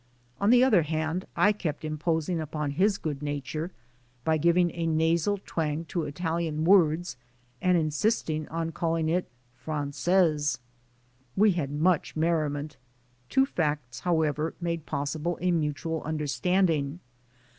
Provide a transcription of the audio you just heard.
On the other hand, I kept imposing upon his good nature by giving a nasal twang to Italian words and insisting on calling it "francese." We had much merriment. Two facts, however, made possible a mutual understanding.